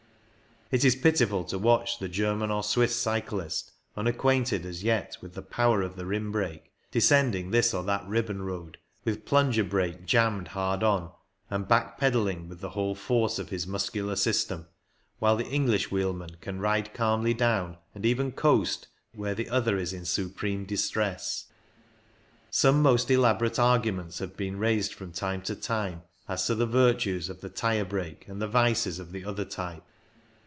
It is pitiful to watch the German or Swiss cyclist, un acquainted as yet with the power of the 94 CYCLING IN THE ALPS rim brake, descending this or that ribbon road with plunger brake jammed hard on, and back pedalling with the whole force of his muscular system, while the English wheelman can ride calmly down and even coast where the other is in supreme distress. Some most elaborate arguments have been raised from time to time as to the virtues of the tyre brake and the vices of the other type.